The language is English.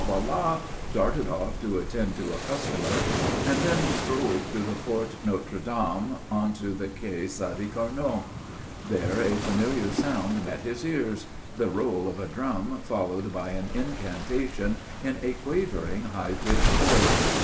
Voilà!_" darted off to attend to a customer, and then strolled through the Porte Notre Dame onto the Quai Sadi Carnot. There a familiar sound met his ears the roll of a drum followed by an incantation in a quavering, high pitched voice.